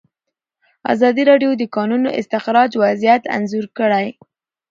ازادي راډیو د د کانونو استخراج وضعیت انځور کړی.